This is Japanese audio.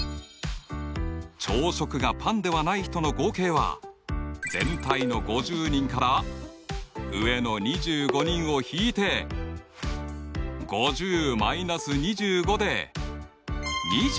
朝食がパンではない人の合計は全体の５０人から上の２５人を引いて５０−２５で２５人。